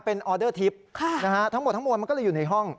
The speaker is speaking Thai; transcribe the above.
เป็นออเดอร์ทิพย์ทั้งหมดทั้งมวลมันก็เลยอยู่ในห้อง